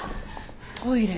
トイレ。